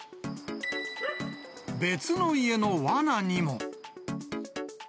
別の家のわなにも。